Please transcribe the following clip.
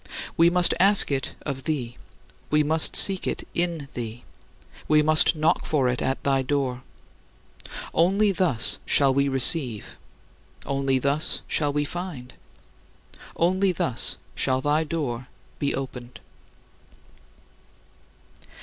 We must ask it of thee; we must seek it in thee; we must knock for it at thy door. Only thus shall we receive; only thus shall we find; only thus shall thy door be opened.